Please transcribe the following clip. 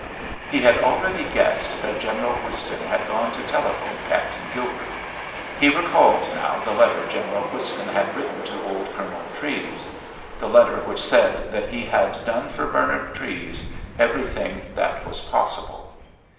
He had already guessed that General Whiston had gone to telephone Captain Gilbert. He recalled now the letter General Whiston had written to old Colonel Treves. The letter which said that he had done for Bernard Treves everything that was possible.